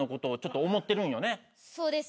そうです。